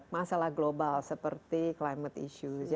masalah global seperti climate issues